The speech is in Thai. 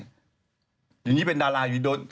ไม่ได้อย่างนี้เป็นดาราอยู่โดย